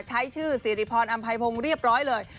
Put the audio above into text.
ใช้ชื่อสิริพรอำไพพงศ์เรียบร้อยเลย